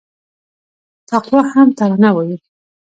تقوا هم ترانه وايي